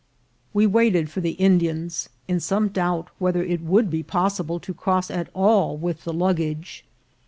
We waited for the Indians, in some doubt whether it would be possible to cross at all with the luggage.